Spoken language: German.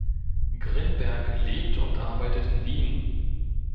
Grinberg lebt und arbeitet in Wien.